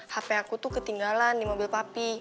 hp aku tuh ketinggalan di mobil papi